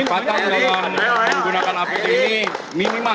nah kecepatan dalam menggunakan apd ini minimal